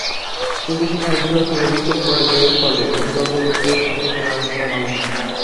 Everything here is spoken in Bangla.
কিন্তু সেখানে জুয়া খেলায় বিপুল পরাজয়ের ফলে অভিভাবকদের সঙ্গে তাঁর মনোমালিন্য হয়।